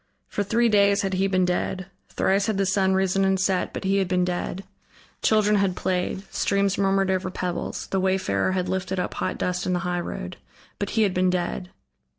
For three days had he been dead: thrice had the sun risen and set, but he had been dead; children had played, streams murmured over pebbles, the wayfarer had lifted up hot dust in the highroad, but he had been dead.